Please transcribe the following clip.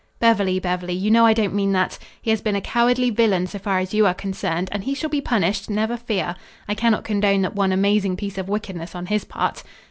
"Beverly, Beverly, you know I don't mean that. He has been a cowardly villain so far as you are concerned and he shall be punished, never fear. I cannot condone that one amazing piece of wickedness on his part."